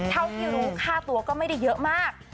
เท่าที่รู้ค่าตัวก็ไม่ได้เยอะมาก